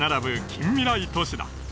近未来都市だ